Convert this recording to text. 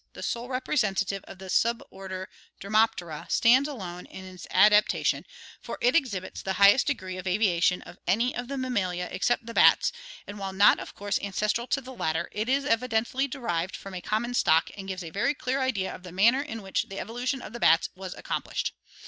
77), the sole rep resentative of the suborder Dermoptera, stands done in its adapta VOLANT ADAPTATION 365 tion, for it exhibits the highest degree of aviation of any of the Mammalia except the bats, and while not of course ancestral to the latter, it is evidently derived from a common stock and gives a very clear idea of the manner in which the evolution of the bats was accomplished.